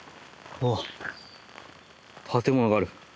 あっ建物がある。